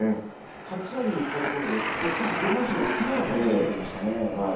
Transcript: かち上げにいったところで少し上半身が浮くような感じになっていましたね。